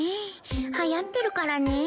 流行ってるからね。